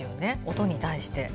音に対して。